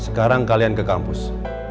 sekarang kalian ke kampus